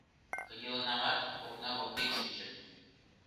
Кынелынамат, окна воктек шинчым.